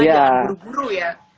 jangan buru buru ya